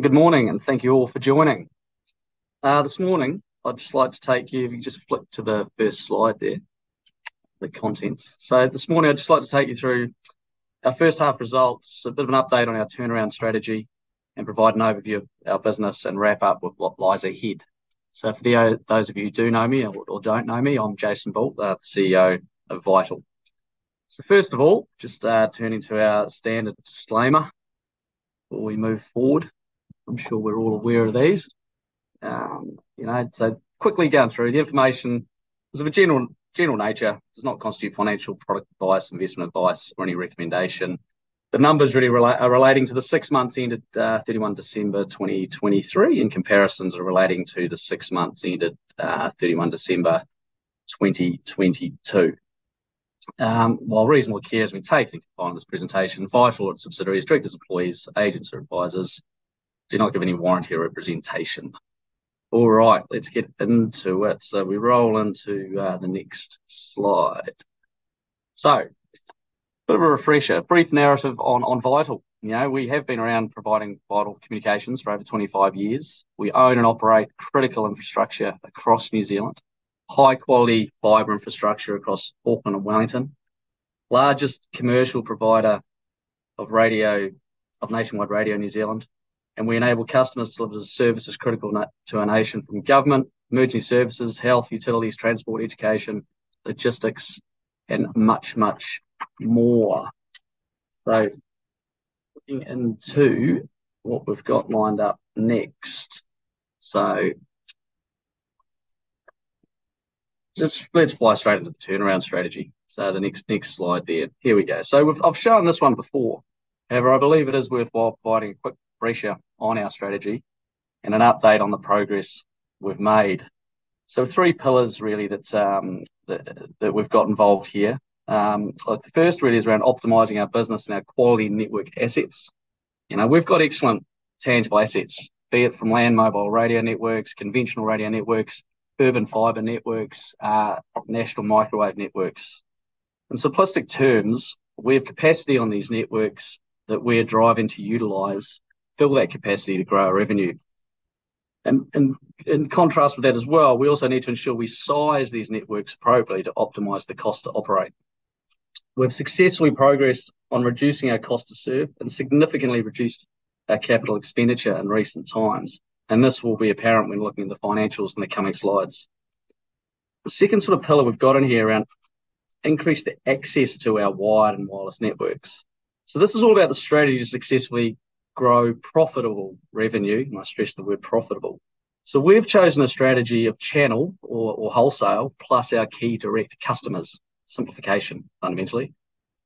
Good morning, and thank you all for joining. This morning I'd just like to take you. If you just flick to the first slide there, the contents. This morning I'd just like to take you through our first half results. A bit of an update on our turnaround strategy, and provide an overview of our business. And wrap up with what lies ahead. For those of you who do know me or don't know me, I'm Jason Bull, the CEO of Vital. First of all, just turning to our standard disclaimer, before we move forward. I'm sure we're all aware of these. You know, quickly going through. The information is of a general nature. Does not constitute financial product advice, investment advice, or any recommendation. The numbers really are relating to the six months ended, 31 December 2023. And comparisons are relating to the six months ended, 31 December 2022. While reasonable care has been taken to compile this presentation, Vital and its subsidiaries, directors, employees, agents, or advisors. Do not give any warranty or representation. All right, let's get into it. We roll into the next slide. Bit of a refresher. Brief narrative on Vital. You know, we have been around providing vital communications for over 25 years. We own, and operate critical infrastructure across New Zealand. High-quality fiber infrastructure across Auckland, and Wellington. Largest commercial provider of nationwide radio in New Zealand, and we enable customers to deliver services critical to our nation. From government, emergency services, health, utilities, transport, education, logistics, and much, much more. Looking into what we've got lined up next. Just let's fly straight into the turnaround strategy. The next slide there. Here we go. I've shown this one before. However, I believe it is worthwhile providing a quick refresher on our strategy, and an update on the progress we've made. Three pillars really that we've got involved here. The first really is around optimizing our business, and our quality network assets. You know, we've got excellent tangible assets, be it from Land Mobile Radio networks, conventional radio networks, urban fiber networks, national microwave networks. In simplistic terms, we have capacity on these networks. That we're driving to utilize, fill that capacity to grow our revenue. In contrast with that as well, we also need to ensure we size these networks appropriately, to optimize the cost to operate. We've successfully progressed on reducing our cost to serve, and significantly reduced our capital expenditure in recent times. This will be apparent when looking at the financials in the coming slides. The second sort of pillar we've got in here around. Increase the access to our wired, and wireless networks. This is all about the strategy to successfully grow profitable revenue, and I stress the word profitable. So, we've charged on our strategy of channel, or wholesale plus a key direct customer. Simplification, fundamentally.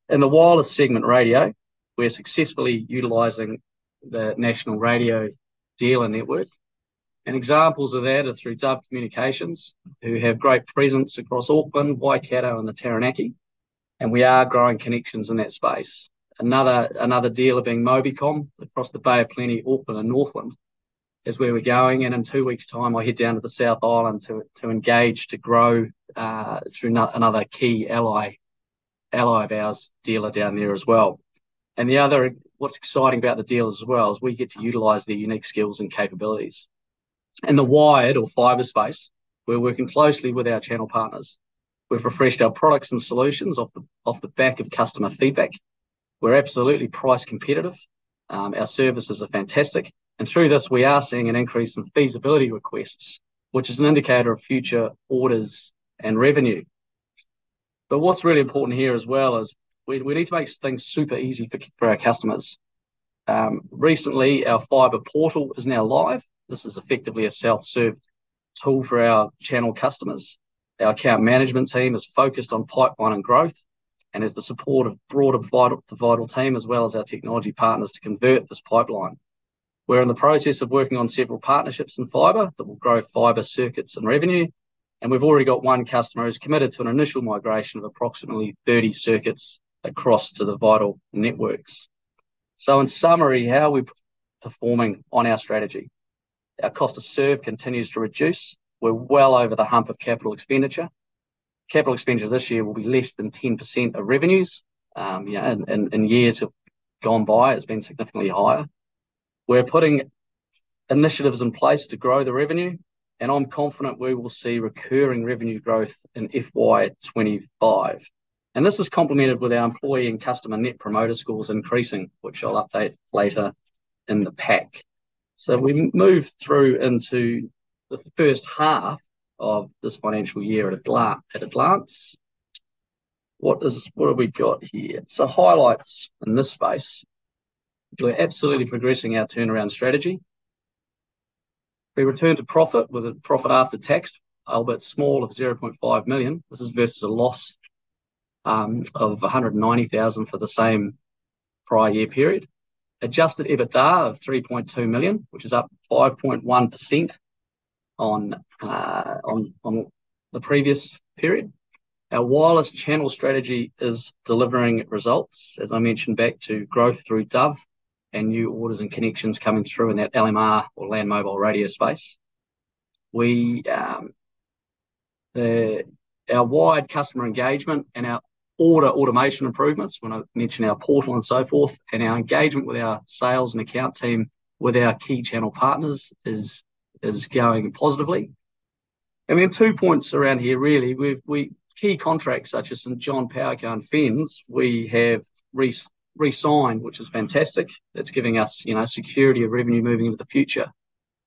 In the wireless segment radio, we're successfully utilizing the national radio dealer network. Examples of that are through Dove Communications, who have great presence across Auckland, Waikato, and the Taranaki, and we are growing connections in that space. Another dealer being Mobicom across the Bay of Plenty, Auckland, and Northland. Is where we're going, and in two weeks' time. I'll head down to the South Island to engage, to grow, another key ally of ours, dealer down there as well. What's exciting about the dealers as well, is we get to utilize their unique skills, and capabilities. In the wired or fiber space, we're working closely with our channel partners. We've refreshed our products, and solutions off the back of customer feedback. We're absolutely price competitive. Our services are fantastic, and through this we are seeing an increase in feasibility requests. Which is an indicator of future orders, and revenue. What's really important here as well, is we need to make things super easy for our customers. Recently our fiber portal is now live. This is effectively a self-serve tool for our channel customers. Our account management team is focused on pipeline, and growth. And has the support of broader Vital, the Vital team as well as our technology partners to convert this pipeline. We're in the process of working on several partnerships in fiber. That will grow fiber circuits, and revenue. And we've already got one customer, who's committed to an initial migration of approximately 30 circuits across to the Vital networks. In summary, how are we performing on our strategy? Our cost to serve continues to reduce. We're well over the hump of capital expenditure. Capital expenditure this year will be less than 10% of revenues. You know, in years gone by it's been significantly higher. We're putting initiatives in place to grow the revenue, and I'm confident we will see recurring revenue growth in FY 2025. This is complemented with our employee, and customer Net Promoter Score increasing. Which I'll update later in the pack. If we move through into the first half of this financial year. At a glance, what is, what have we got here? Some highlights in this space. We're absolutely progressing our turnaround strategy. We returned to profit with a profit after tax, albeit small of 0.5 million. This is versus a loss of 190,000 for the same prior year period. Adjusted EBITDA of 3.2 million, which is up 5.1% on the previous period. Our wireless channel strategy is delivering results. As I mentioned, back to growth through Dove, and new orders. And connections coming through in that LMR or Land Mobile Radio space. Our wide customer engagement, and our order automation improvements. When I mention our portal, and so forth, and our engagement with our sales, and account team. With our key channel partners is going positively. We have two points around here really. Key contracts, such as Hato Hone St John, Powerco, and FENZ we have resigned, which is fantastic. That's giving us, you know, security of revenue moving into the future.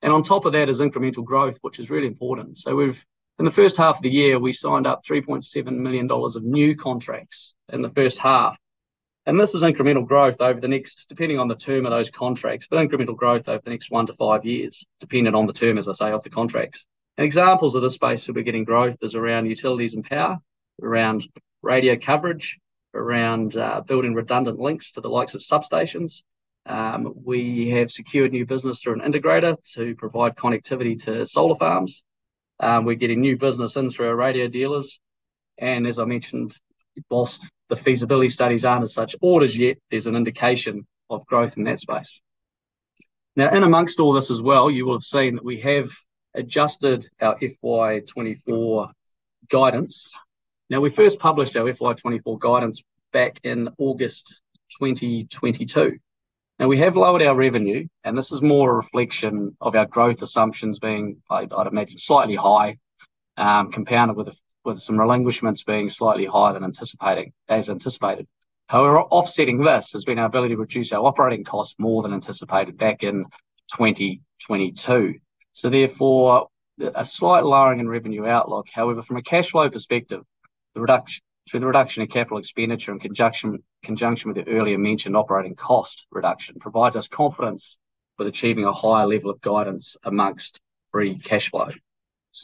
On top of that is incremental growth, which is really important. In the first half of the year, we signed up 3.7 million dollars of new contracts in the first half. This is incremental growth over the next, depending on the term of those contracts. But incremental growth over the next one to five years, dependent on the term, as I say, of the contracts. Examples of the space that we're getting growth is around utilities, and power. Around radio coverage, around building redundant links to the likes of substations. We have secured new business through an integrator, to provide connectivity to solar farms. We're getting new business in through our radio dealers. As I mentioned, whilst the feasibility studies aren't as such orders yet, there's an indication of growth in that space. In amongst all this as well, you will have seen that we have adjusted our FY 2024 guidance. We first published our FY 2024 guidance back in August 2022. We have lowered our revenue, and this is more a reflection of our growth assumptions being. I'd imagine, slightly high, compounded with some relinquishments being slightly higher than anticipating, as anticipated. Offsetting this has been our ability, to reduce our operating costs more than anticipated back in 2022. Therefore, a slight lowering in revenue outlook. From a cash flow perspective, through the reduction in capital expenditure in conjunction. With the earlier mentioned operating cost reduction, provides us confidence. With achieving a higher level of guidance amongst free cash flow.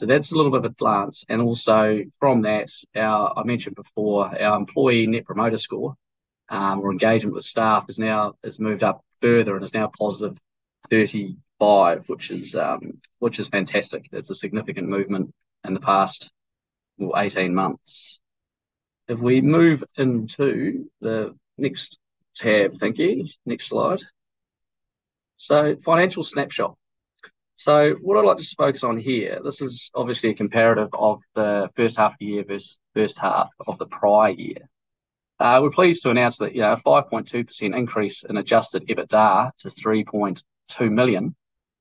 That's a little bit of a glance. Also, from that, our, I mentioned before, our employee Net Promoter Score. Or engagement with staff has moved up further, and is now +35%, which is fantastic. That's a significant movement in the past, well, 18 months. If we move into the next tab. Thank you. Next slide, financial snapshot. What I'd like to focus on here, this is obviously a comparative of the first half of the year, versus first half of the prior year. We're pleased to announce that, you know, a 5.2% increase in Adjusted EBITDA to 3.2 million.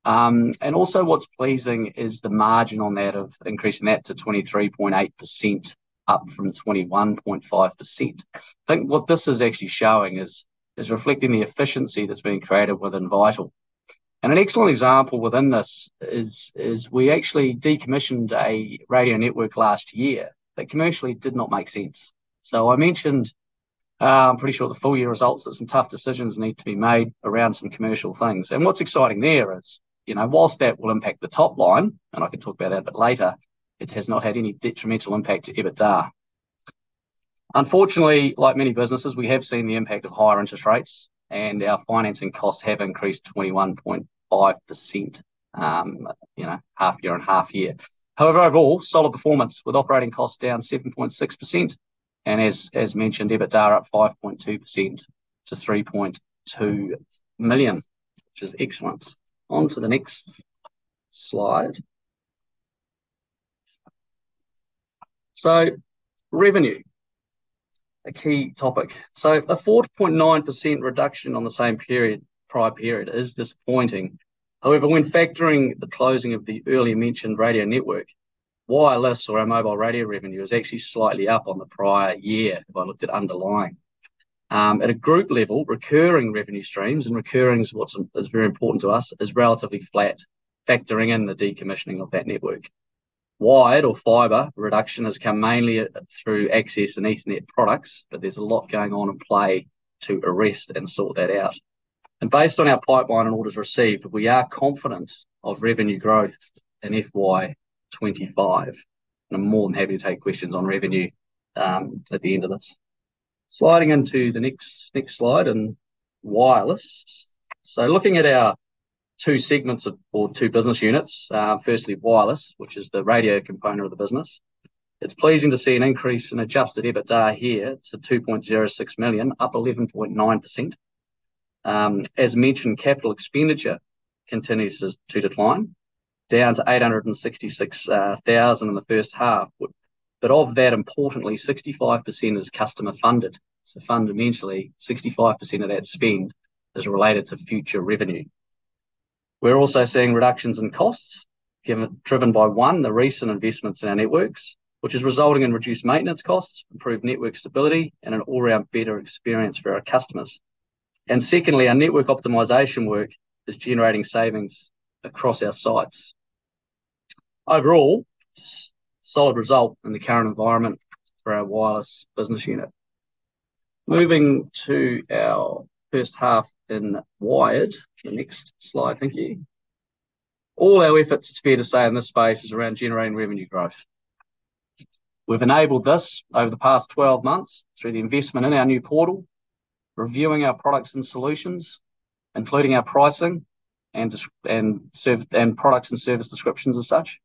Also, what's pleasing is the margin on that of increasing that to 23.8% up from 21.5%. I think what this is actually showing, is reflecting the efficiency that's been created within Vital. An excellent example within, this is we actually decommissioned a radio network last year. That commercially did not make sense. I mentioned, I'm pretty sure the full year results. That some tough decisions need, to be made around some commercial things. What's exciting there is, you know, whilst that will impact the top line. And I can talk about that a bit later, it has not had any detrimental impact to EBITDA. Unfortunately, like many businesses, we have seen the impact of higher interest rates. And our financing costs have increased 21.5%, you know, half year on half year. However, overall, solid performance with operating costs down 7.6%. And as mentioned, EBITDA up 5.2% to 3.2 million, which is excellent. On to the next slide, revenue, a key topic. So, a 4.9% reduction on the same period, prior period is disappointing. When factoring the closing of the earlier-mentioned radio network. Wireless or our mobile radio revenue, is actually slightly up on the prior year if I looked at underlying. At a group level, recurring revenue streams, and recurring is what is very important to us, is relatively flat. Factoring in the decommissioning of that network. Wired or fiber reduction has come mainly through access, and Ethernet products. But there's a lot going on in play to arrest, and sort that out. Based on our pipeline, and orders received. We are confident of revenue growth in FY 2025. I'm more than happy to take questions on revenue at the end of this. Sliding into the next slide, and wireless. Looking at our two segments or two business units. Firstly, wireless, which is the radio component of the business. It's pleasing to see an increase in Adjusted EBITDA here to 2.06 million, up 11.9%. As mentioned, capital expenditure continues to decline, down to 866,000 in the first half. Of that, importantly, 65% is customer funded. Fundamentally, 65% of that spend is related to future revenue. We're also seeing reductions in costs driven by, one, the recent investments in our networks. Which is resulting in reduced maintenance costs, improved network stability. And an all-around better experience for our customers. Secondly, our network optimization work, is generating savings across our sites. Overall, solid result in the current environment for our wireless business unit. Moving to our first half in wired. The next slide. Thank you. All our efforts, it's fair to say, in this space is around generating revenue growth. We've enabled this over the past 12 months, through the investment in our new portal. Reviewing our products, and solutions. Including our pricing, and products, and service descriptions, and such.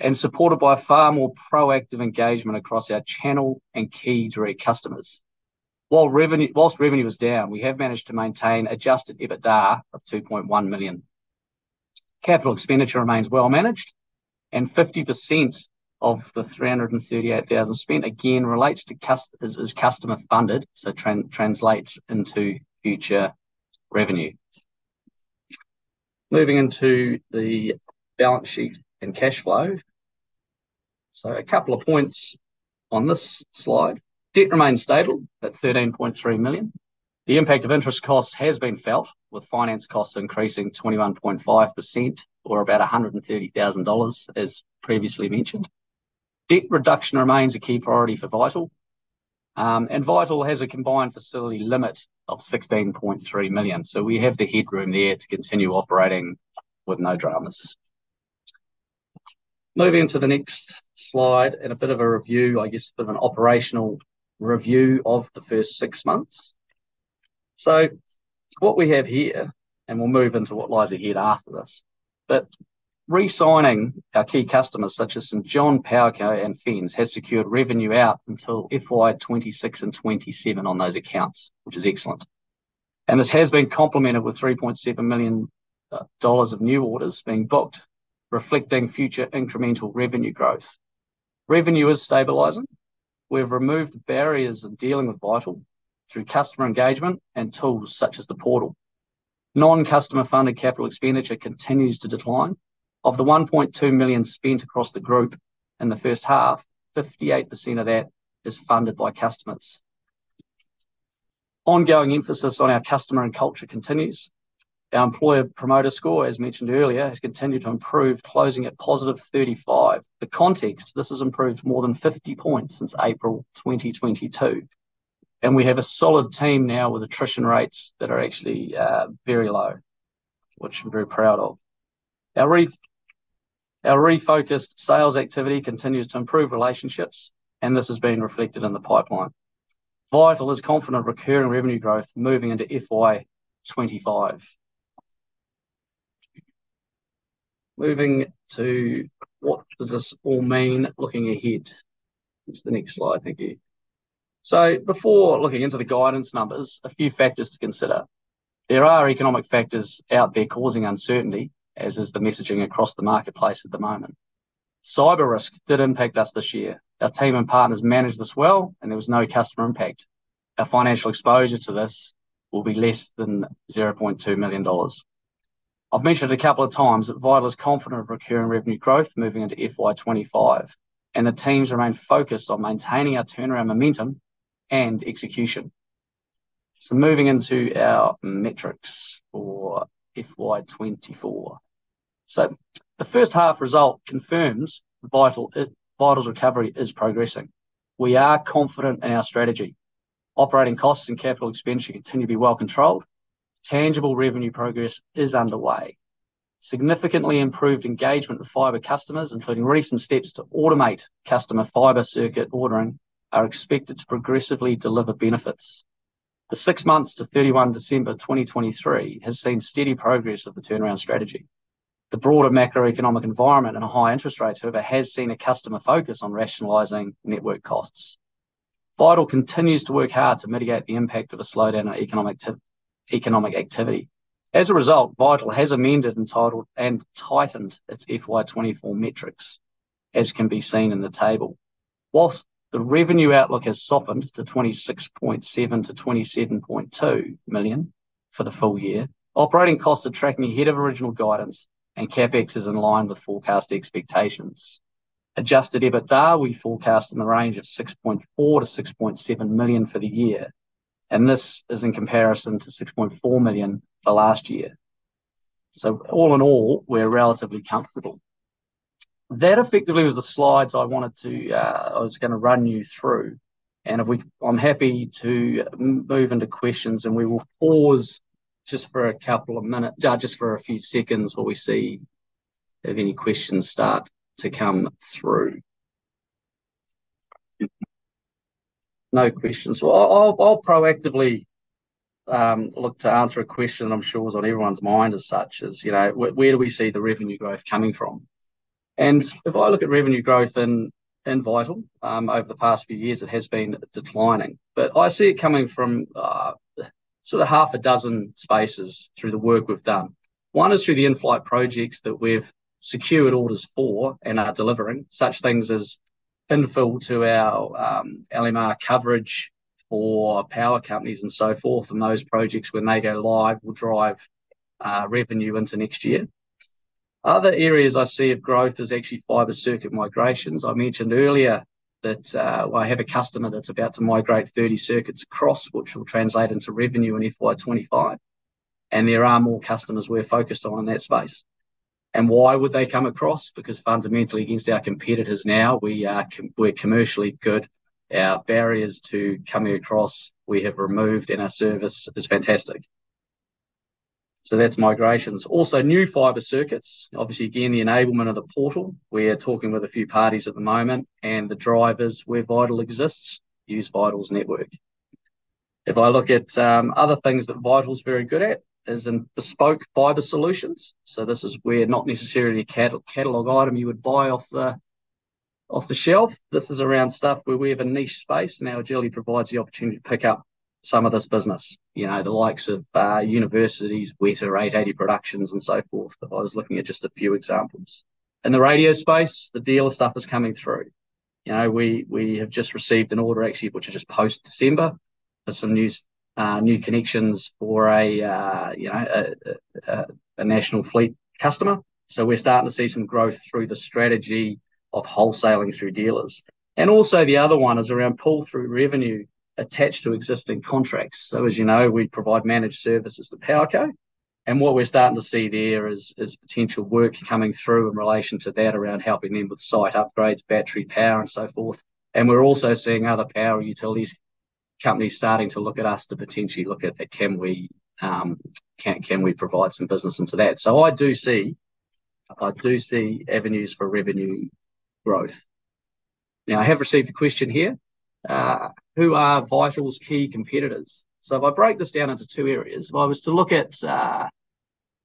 And supported by far more proactive engagement across our channel, and key direct customers. Whilst revenue is down, we have managed to maintain Adjusted EBITDA of 2.1 million. Capital expenditure remains well-managed, and 50% of the 338,000 spent again relates to is customer funded. So, translates into future revenue. Moving into the balance sheet, and cash flow. A couple of points on this slide. Debt remains stable at 13.3 million. The impact of interest costs has been felt, with finance costs increasing 21.5%. Or about 130,000 dollars as previously mentioned. Debt reduction remains a key priority for Vital. Vital has a combined facility limit of 16.3 million. We have the headroom there to continue operating with no dramas. Moving to the next slide, and a bit of a review. I guess, a bit of an operational review of the first six months. What we have here, and we'll move into what lies ahead after this. Re-signing our key customers such as St John, Powerco, and FENZ. Has secured revenue out until FY 2026 and 2027 on those accounts, which is excellent. This has been complemented with 3.7 million dollars of new orders being booked, reflecting future incremental revenue growth. Revenue is stabilizing. We've removed barriers in dealing with Vital. Through customer engagement, and tools such as the portal. Non-customer funded capital expenditure continues to decline. Of the 1.2 million spent across the group in the first half, 58% of that is funded by customers. Ongoing emphasis on our customer, and culture continues. Our Net Promoter Score, as mentioned earlier. Has continued to improve, closing at +35%. For context, this has improved more than 50 basis points since April 2022. And we have a solid team now with attrition rates. That are actually very low, which I'm very proud of. Our refocused sales activity continues to improve relationships, and this has been reflected in the pipeline. Vital is confident recurring revenue growth moving into FY 2025. Moving to what does this all mean looking ahead? Into the next slide. Thank you. Before looking into the guidance numbers, a few factors to consider. There are economic factors out there causing uncertainty. As is the messaging across the marketplace at the moment. Cyber risk did impact us this year. Our team and partners managed this well, and there was no customer impact. Our financial exposure to this will be less than $0.2 million. I've mentioned a couple of times that Vital is confident of recurring revenue growth, moving into FY 2025. And the teams remain focused on maintaining our turnaround momentum, and execution. Moving into our metrics for FY 2024. The first half result confirms Vital's recovery is progressing. We are confident in our strategy. Operating costs, and capital expenditure continue to be well-controlled. Tangible revenue progress is underway. Significantly improved engagement with fiber customers, including recent steps. To automate customer fiber circuit ordering, are expected to progressively deliver benefits. The six months to December 31, 2023, has seen steady progress of the turnaround strategy. The broader macroeconomic environment, and higher interest rates. However, has seen a customer focus on rationalizing network costs. Vital continues to work hard, to mitigate the impact of a slowdown in economic activity. As a result, Vital has amended, and tightened its FY 2024 metrics. As can be seen in the table. Whilst the revenue outlook has softened to 26.7 million-27.2 million for the full year. Operating costs are tracking ahead of original guidance, and CapEx is in line with forecast expectations. Adjusted EBITDA, we forecast in the range of 6.4 million-6.7 million for the year. And this is in comparison to 6.4 million for last year. All in all, we're relatively comfortable. That effectively was the slides I wanted to, I was gonna run you through. I'm happy to move into questions, and we will pause just for a few seconds. While we see if any questions start to come through. No questions. Well, I'll proactively look to answer a question, that I'm sure is on everyone's mind as such is. You know, where do we see the revenue growth coming from? If I look at revenue growth in Vital over the past few years, it has been declining. I see it coming from sort of six spaces through the work we've done. One is through the in-flight projects that we've secured orders for, and are delivering. Such things as infill to our LMR coverage for power companies, and so forth. Those projects, when they go live. Will drive revenue into next year. Other areas I see of growth is actually fiber circuit migrations. I mentioned earlier, that I have a customer that's about to migrate 30 circuits across. Which will translate into revenue in FY 2025, and there are more customers we're focused on in that space. Why would they come across? Because fundamentally against our competitors now, we're commercially good. Our barriers to coming across we have removed, and our service is fantastic. That's migrations. Also, new fiber circuits. Obviously, again, the enablement of the portal. We're talking with a few parties at the moment, and the drivers where Vital exists, use Vital's network. If I look at other things that Vital's very good at is in bespoke fiber solutions. This is where not necessarily a catalog item you would buy off the shelf. This is around stuff where we have a niche space, and our agility provides the opportunity to pick up some of this business. You know, the likes of universities, Wētā, 880 Productions, and so forth. If I was looking at just a few examples. In the radio space, the dealer stuff is coming through. You know, we have just received an order actually, which is just post-December. For some new connections for a national fleet customer. We're starting to see some growth through the strategy, of wholesaling through dealers. The other one is around pull-through revenue, attached to existing contracts. As you know, we provide managed services to Powerco. And what we're starting to see there is potential work coming through in relation. To that around helping them with site upgrades, battery power, and so forth. We're also seeing other power utilities companies, starting to look at us. To potentially look at can we provide some business into that. I do see avenues for revenue growth. Now, I have received a question here. Who are Vital's key competitors? If I break this down into two areas, if I was to look at.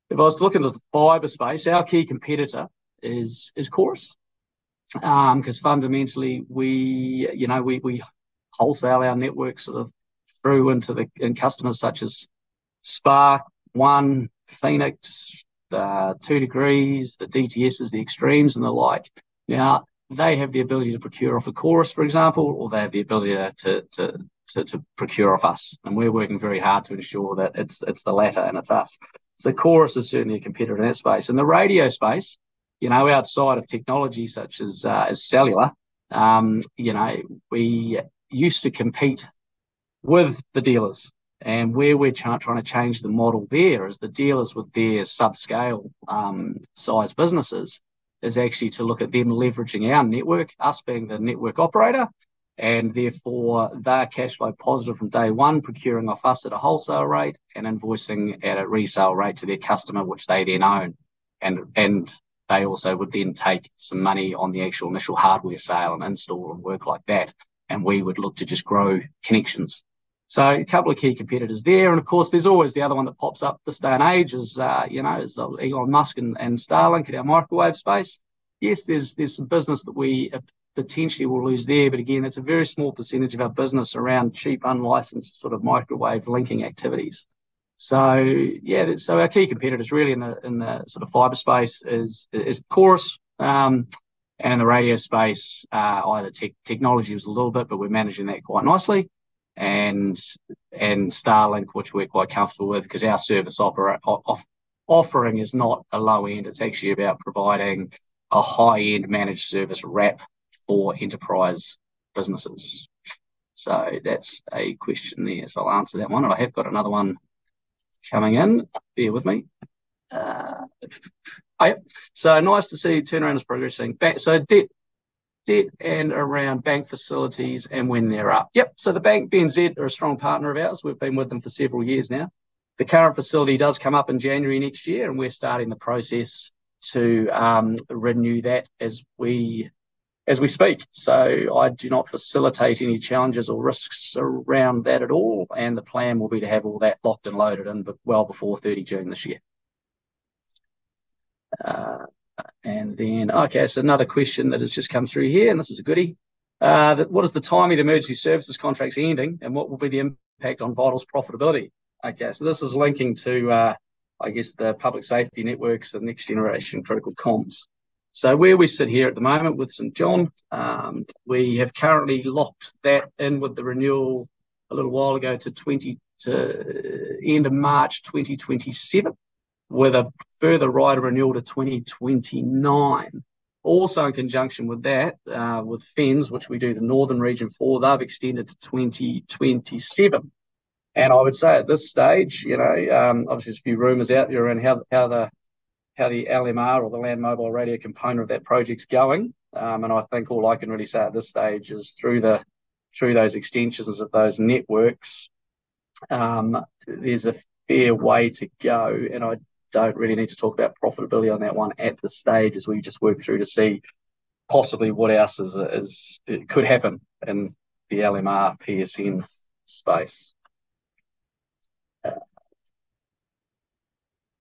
If I was to look into the fiber space, our key competitor is Chorus. Cause fundamentally we, you know, we wholesale our network sort of. Through into the in customers, such as Spark, One, Phoenix, 2degrees, the DTSs, the Extremes, and the like. They have the ability to procure off of Chorus, for example. Or they have the ability to procure off us, and we're working very hard. To ensure that it's the latter, and it's us. Chorus is certainly a competitor in our space. In the radio space, you know, outside of technology. Such as cellular, you know, we used to compete with the dealers. Where we're trying to change the model there. Is the dealers with their sub-scale size businesses. Is actually to look at them leveraging our network, us being the network operator. And therefore, they are cashflow positive from day one. Procuring off us at a wholesale rate, and invoicing at a resale rate to their customer, which they then own. They also would then take some money on the actual initial hardware sale, install, and work like that. We would look to just grow connections. A couple of key competitors there, and of course. There's always the other one that pops up this day, and age is. You know, is Elon Musk, and Starlink in our microwave space. Yes, there's some business that we potentially will lose there. But again, it's a very small percentage of our business around cheap, unlicensed sort of microwave linking activities. Yeah, so our key competitor is really in the fiber space is Chorus. In the radio space, technology was a little bit, but we're managing that quite nicely. Starlink, which we're quite comfortable, with cause our service offering is not a low end. It's actually about providing a high-end managed service wrap for enterprise businesses. That's a question there, so I'll answer that one. I have got another one coming in. Bear with me. Oh, yep. Debt and around bank facilities, and when they're up. Yep. The bank, BNZ, are a strong partner of ours. We've been with them for several years now. The current facility does come up in January 2025. And we're starting the process, to renew that as we speak. I do not facilitate any challenges or risks around that at all. And the plan will be to have all that locked, and loaded, and well before 30 June this year. Another question that has just come through here, this is a goodie. What is the timing of emergency services contracts ending, and what will be the impact on Vital's profitability? This is linking to, I guess the public safety networks, the next generation critical comms. Where we sit here at the moment with St John. We have currently locked that in with the renewal, a little while ago to end of March 2027. With a further right of renewal to 2029. In conjunction with that, with FENZ, which we do the northern region for, they've extended to 2027. I would say at this stage, you know, obviously there's a few rumors out. There around how the LMR, or the Land Mobile Radio component of that project's going. I think all I can really say at this stage, is through those extensions of those networks. There's a fair way to go, and I don't really need to talk about profitability. On that one at this stage, as we just work through to see. Possibly, what else is could happen in the LMR PSN space.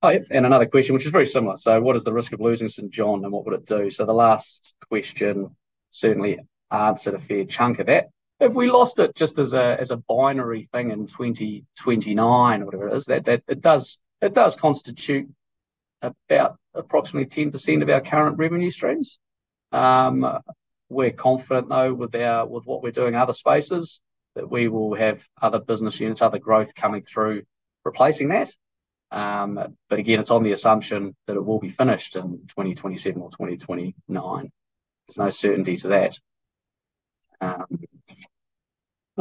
Another question, which is very similar. What is the risk of losing St John, and what would it do? The last question certainly answered a fair chunk of that. If we lost it just as a binary thing in 2029 or whatever it is. That, it does constitute about approximately 10% of our current revenue streams. We're confident though with our, with what we do in other spaces. That we will have other business units, other growth coming through replacing that. Again, it's on the assumption, that it will be finished in 2027 or 2029. There's no certainty to that.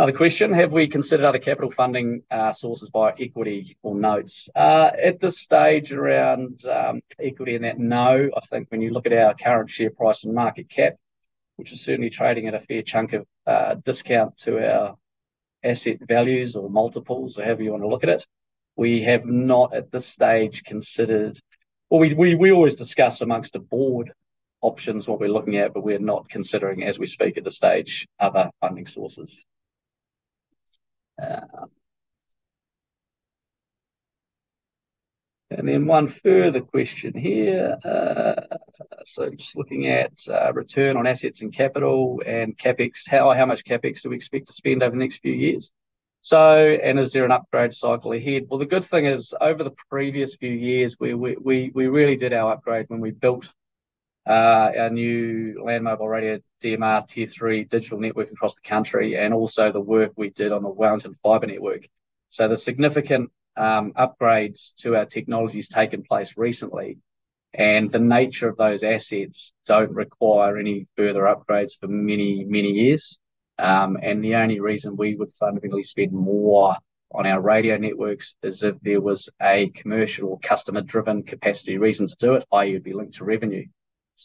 Another question. Have we considered other capital funding sources via equity or notes? At this stage around equity and that, no. I think when you look at our current share price, and market cap. Which is certainly trading at a fair chunk of discount, to our asset values, or multiples, or however you want to look at it. We have not at this stage considered. Well, we always discuss amongst the board options, what we're looking at. But we're not considering as we speak at this stage other funding sources. Then one further question here. Just looking at return on assets, and capital, and CapEx. How much CapEx do we expect to spend over the next few years? Is there an upgrade cycle ahead? Well, the good thing is over the previous few years, we really did our upgrade. When we built our new Land Mobile Radio DMR Tier Three digital network. Across the country, and also the work we did on the Wellington fiber network. The significant upgrades, to our technology has taken place recently. And the nature of those assets don't require any further upgrades for many, many years. The only reason we would fundamentally spend more on our radio networks. Is if there was a commercial customer-driven capacity reason to do it, i.e. it'd be linked to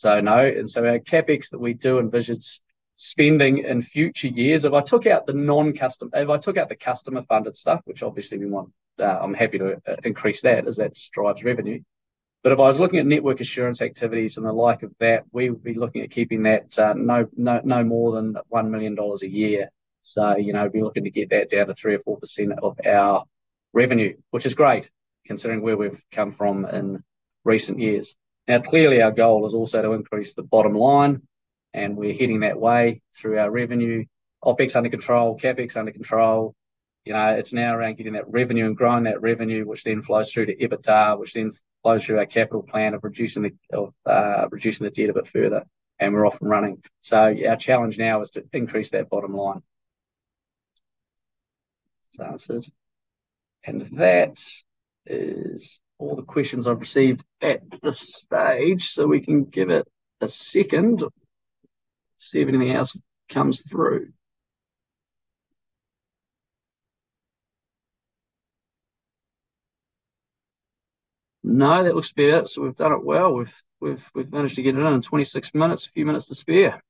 revenue. Our CapEx that we do envisage spending in future years. If I took out the customer-funded stuff, which obviously we want. I'm happy to increase that as that just drives revenue. If I was looking at network assurance activities, and the like of that. We would be looking at keeping, that no more than 1 million dollars a year. You know, be looking to get that down to 3% or 4% of our revenue. Which is great considering, where we've come from in recent years. Clearly our goal is also to increase the bottom line, and we're heading that way through our revenue, OpEx under control, CapEx under control. You know, it's now around getting that revenue, and growing that revenue. Which then flows through to EBITDA, which then flows through our capital plan of reducing the debt a bit further. We're off, and running. Our challenge now is to increase that bottom line. That's it. That is all the questions I've received at this stage. We can give it a second, see if anything else comes through. No, that looks to be it. We've done it well. We've managed to get it in in 26 minutes. A few minutes to spare.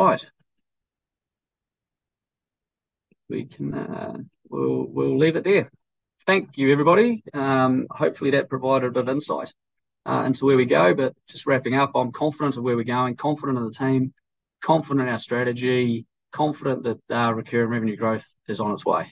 All right. We can. We'll leave it there. Thank you, everybody. Hopefully that provided a bit of insight into where we go. Just wrapping up, I'm confident of where we're going. Confident of the team, confident in our strategy, confident that our recurring revenue growth is on its way.